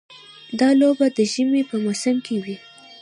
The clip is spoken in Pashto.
دا لوبه د ژمي په موسم کې وي.